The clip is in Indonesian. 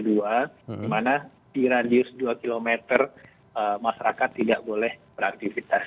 dimana di radius dua km masyarakat tidak boleh beraktivitas